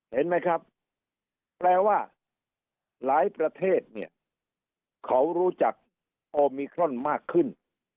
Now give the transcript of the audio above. เห็นไหมครับแปลว่าหลายประเทศเนี่ยเขารู้จักโอมิครอนมากขึ้น